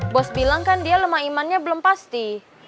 bos bilang kan dia lemah imannya belum pasti